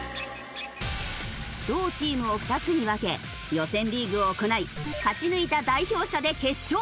両チームを２つに分け予選リーグを行い勝ち抜いた代表者で決勝戦。